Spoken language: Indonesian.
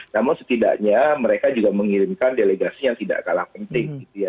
namun setidaknya mereka juga mengirimkan delegasi yang tidak kalah penting gitu ya